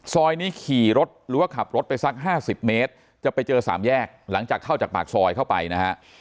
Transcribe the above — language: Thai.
ซอยนี้ขี่รถหรือว่าขับรถไปสัก๕๐เมตรจะไปเจอสามแยกหลังจากเข้าจากปากซอยเข้าไปนะฮะ